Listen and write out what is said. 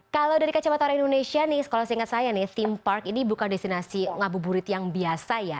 kalau dari kacamata orang indonesia nih kalau seingat saya nih theme park ini bukan destinasi ngabuburit yang biasa ya